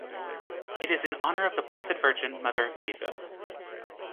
It is in honor of the Blessed Virgin, mother of Jesus.